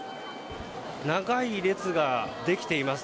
長い列ができています。